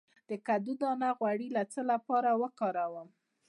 د کدو دانه غوړي د څه لپاره وکاروم؟